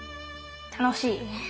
楽しい。